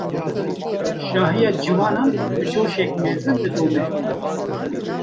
Şahiya Ciwanan, bi coşek mezin didome